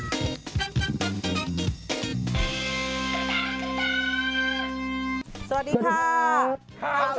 ใช่แล้วครับผู้ชมครับ